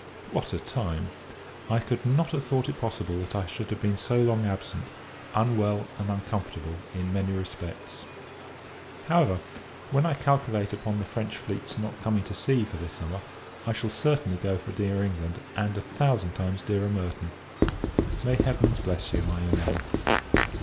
What a time! I could not have thought it possible that I should have been so long absent; unwell, and uncomfortable, in many respects. However, when I calculate upon the French fleet's not coming to sea for this summer, I shall certainly go for dear England, and a thousand [times] dearer Merton. May Heavens bless you, my own Emma!